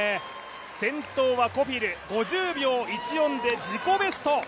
先頭はコフィル５０秒１４で自己ベスト。